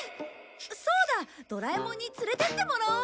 そうだドラえもんに連れてってもらおう。